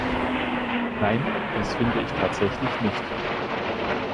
Nein, dass finde ich tatsächlich nicht.